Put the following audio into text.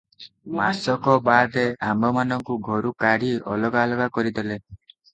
ମାସକ ବାଦେ ଆମ୍ଭମାନଙ୍କୁ ଘରୁ କାଢି ଅଲଗା ଅଲଗା କରିଦେଲେ ।